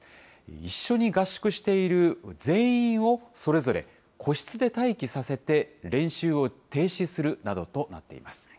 一緒に合宿している全員を、それぞれ個室で待機させて、練習を停止するなどとなっています。